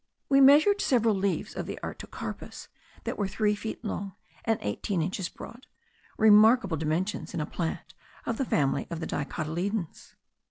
We measured several leaves of the Artocarpus that were three feet long and eighteen inches broad, remarkable dimensions in a plant of the family of the dicotyledons.